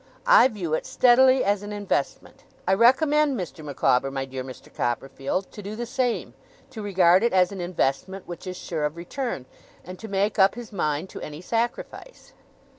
I view it, steadily, as an investment. I recommend Mr. Micawber, my dear Mr. Copperfield, to do the same; to regard it as an investment which is sure of return, and to make up his mind to any sacrifice.